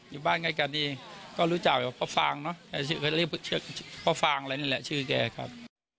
อยู่บ้านไกลกันเองก็รู้จักแบบพ่อฟางเนอะพ่อฟางอะไรนี่แหละชื่อแกครับ